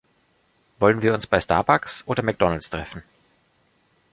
Wollen wir uns bei Starbucks oder McDonalds treffen?